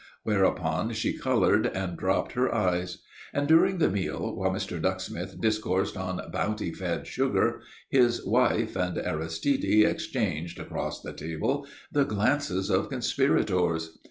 Whereupon she coloured and dropped her eyes. And during the meal, while Mr. Ducksmith discoursed on bounty fed sugar, his wife and Aristide exchanged, across the table, the glances of conspirators.